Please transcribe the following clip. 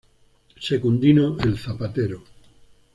Secundino el zapatero.